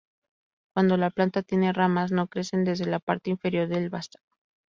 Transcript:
Cuando la planta tiene ramas, no crecen desde la parte inferior del vástago.